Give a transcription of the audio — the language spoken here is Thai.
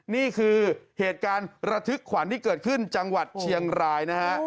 นี่คือเหตุการณ์ระทึกขวัญที่เกิดขึ้นจังหวัดเชียงรายนะฮะ